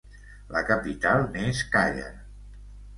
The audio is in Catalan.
La capital n'és Càller.